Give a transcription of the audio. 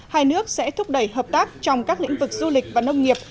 hai nước sẽ thúc đẩy hợp tác trong các lĩnh vực du lịch và nông nghiệp